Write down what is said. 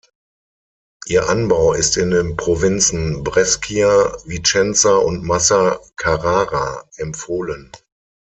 Ihr Anbau ist in den Provinzen Brescia, Vicenza und Massa-Carrara empfohlen.